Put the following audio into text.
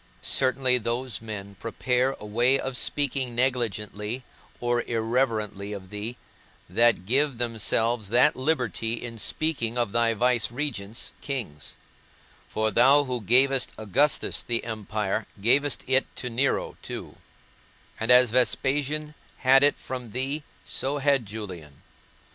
Certainly those men prepare a way of speaking negligently or irreverently of thee, that give themselves that liberty in speaking of thy vicegerents, kings; for thou who gavest Augustus the empire, gavest it to Nero too; and as Vespasian had it from thee, so had Julian.